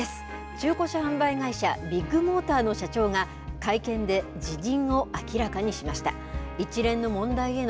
中古車販売会社、ビッグモーターの社長が、会見で辞任を明らかにしました。